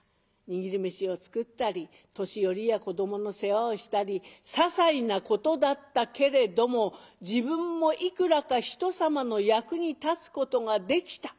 握り飯を作ったり年寄りや子どもの世話をしたりささいなことだったけれども自分もいくらかひとさまの役に立つことができた。